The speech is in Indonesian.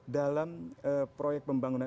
dalam proyek pembangunan